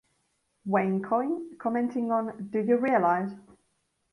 Wayne Coyne, commenting on Do You Realize??